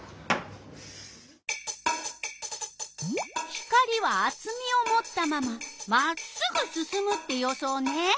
光はあつみをもったまままっすぐすすむって予想ね。